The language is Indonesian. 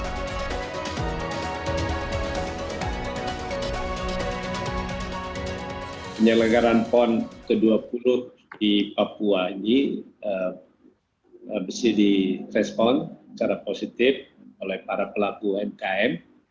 hai penyelenggaran pon ke dua puluh di papua ini besi di respon secara positif oleh para pelaku mkm